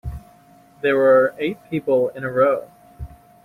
There were eight people in a row.